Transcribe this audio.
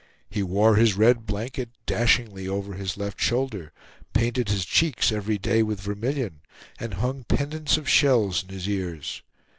He wore his red blanket dashingly over his left shoulder, painted his cheeks every day with vermilion, and hung pendants of shells in his ears.